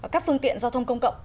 các phương tiện giao thông công cộng